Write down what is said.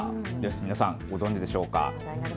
皆さんご存じでしょうか。